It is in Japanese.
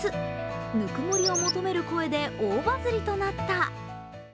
ぬくもりを求める声で大バズりとなった。